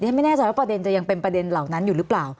ไม่แน่ใจว่าประเด็นจะยังเป็นประเด็นเหล่านั้นอยู่หรือเปล่า